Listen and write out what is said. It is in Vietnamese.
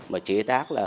mà chế tác là